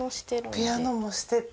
ピアノもしてて。